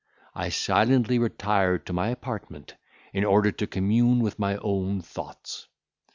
I silently retired to my apartment, in order to commune with my own thoughts.